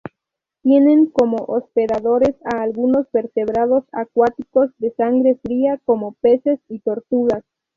Tienen como hospedadores a algunos vertebrados acuáticos de sangre fría como peces y tortugas.